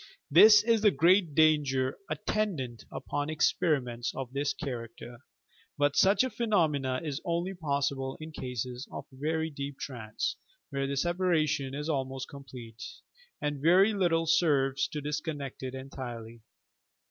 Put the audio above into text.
This is the great danger attendant upon experi ments of this character i but such a phenomenon is only possible in cases of very deep trance, where the separa tion is almost complete, and very little serves to dis connect it entirely.